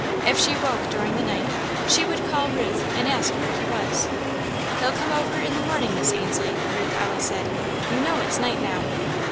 If she woke during the night she would call Ruth and ask where he was. "He'll come over in the morning, Miss Ainslie," Ruth always said; "you know it's night now."